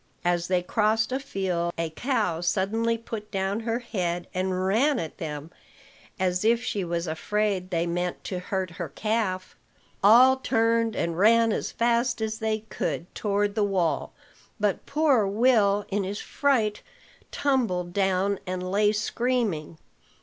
As they crossed a field, a cow suddenly put down her head and ran at them, as if she was afraid they meant to hurt her calf. All turned, and ran as fast as they could toward the wall; but poor Will in his fright tumbled down, and lay screaming.